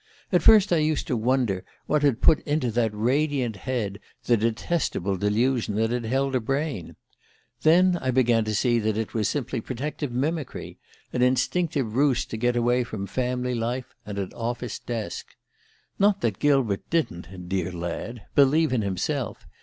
At first I used to wonder what had put into that radiant head the detestable delusion that it held a brain. Then I began to see that it was simply protective mimicry an instinctive ruse to get away from family life and an office desk. Not that Gilbert didn't dear lad! believe in himself.